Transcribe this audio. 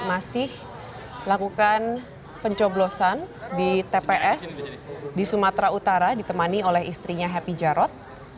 masih melakukan pencoblosan di tps di sumatera utara ditemani oleh istrinya happy jarod